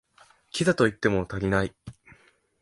キザと言っても足りない